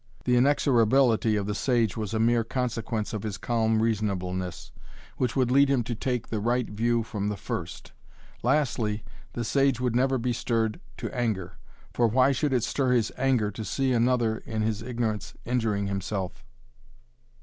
The inexorability of the sage was a mere consequence of his calm reasonableness, which would lead him to take the right view from the first. Lastly, the sage would never be stirred to anger. For why should it stir his anger to see another in his ignorance injuring himself?